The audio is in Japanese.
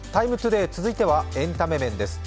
「ＴＩＭＥ，ＴＯＤＡＹ」続いてはエンタメ面です。